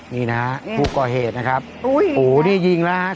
นี่นะฮะผู้ก่อเหตุนะครับโอ้นี่ยิงแล้วฮะ